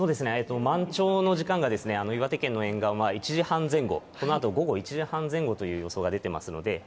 満潮の時間が岩手県の沿岸は１時半前後、このあと午後１時半前後という予想が出てますので。